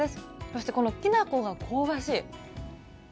そして、このきな粉が香ばしい。